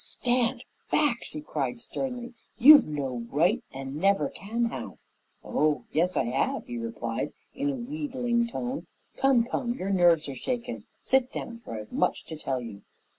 "Stand back!" she cried sternly. "You've no right, and never can have." "Oh, yes, I have!" he replied in a wheedling tone. "Come, come! Your nerves are shaken. Sit down, for I've much to tell you."